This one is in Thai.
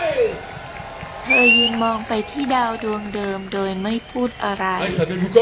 เธอยืนมองไปที่ดาวดวงเดิมโดยไม่พูดอะไร